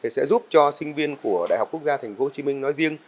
sẽ giúp cho sinh viên của đại học quốc gia tp hcm nói riêng